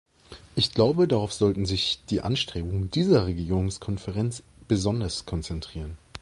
Ich glaube, darauf sollten sich die Anstrengungen dieser Regierungskonferenz besonders konzentrieren.